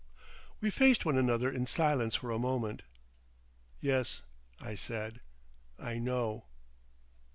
We faced one another in silence for a moment. "Yes," I said, "I know."